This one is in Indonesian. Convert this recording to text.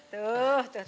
tuh tuh tuh